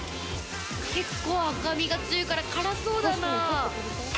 結構、赤みが強いから辛そうだな。